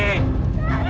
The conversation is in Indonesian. tengku tengku tengku